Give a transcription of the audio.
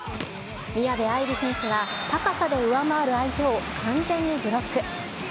宮部藍梨選手が高さで上回る相手を完全にブロック。